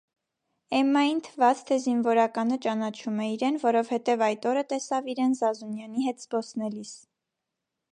Էմմային թվաց, թե զինվորականը ճանաչում է իրեն, որովհետև այդ օրը տեսավ իրեն Զազունյանի հետ զբոսնելիս: